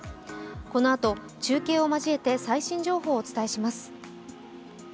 このあと、中継を交えて最新情報をお伝えします。